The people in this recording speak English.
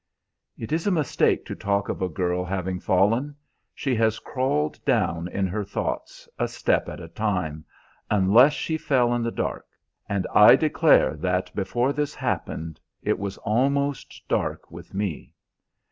"It is a mistake to talk of a girl having fallen. She has crawled down in her thoughts, a step at a time unless she fell in the dark; and I declare that before this happened it was almost dark with me!